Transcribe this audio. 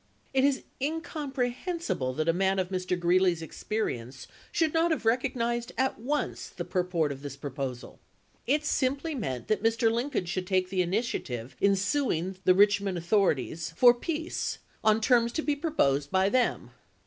It is incomprehen sible that a man of Mr. Greeley's experience should not have recognized at once the purport of this proposal. It simply meant that Mr. Lincoln should take the initiative in suing the Richmond author 192 ABRAHAM LINCOLN chap. viii. ities for peace, on terms to be proposed by them.